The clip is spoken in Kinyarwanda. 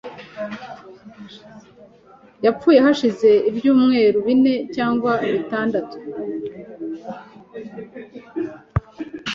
Yapfuye hashize ibyumweru bine cyangwa bitandatu .